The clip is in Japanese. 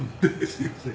すみません」